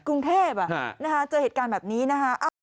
กรุงเทพเจอเหตุการณ์แบบนี้นะคะ